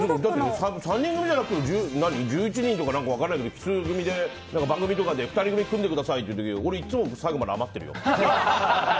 ３人組じゃなくても１１人とか、分かんないけど奇数組で番組とかで２人組組んでくださいっていう時俺、いつも最後まで余ってるよ。